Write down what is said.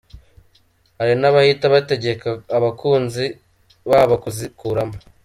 Hari n’abahita bategeka abakunzi babo kuzikuramo.